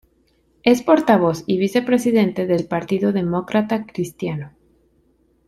Es portavoz y vicepresidente del Partido Demócrata Cristiano.